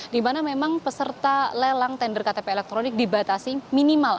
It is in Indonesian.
dimana memang peserta lelang tender ktp elektronik dibatasi minimal